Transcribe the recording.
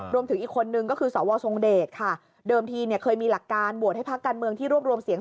รวมอีกคนนึงก็คือสวทรงเดตค่ะเดิมทีเคยมีหลักการโหวตให้พักกรรมที่รวมรวมเสียง